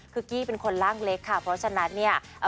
คือกี้เป็นคนร่างเล็กค่ะเพราะฉะนั้นเนี่ย